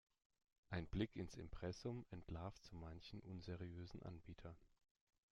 Ein Blick ins Impressum entlarvt so manchen unseriösen Anbieter.